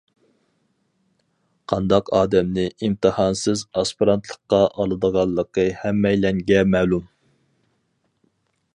قانداق ئادەمنى ئىمتىھانسىز ئاسپىرانتلىققا ئالىدىغانلىقى ھەممەيلەنگە مەلۇم.